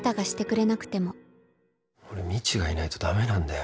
俺、みちがいないとだめなんだよ。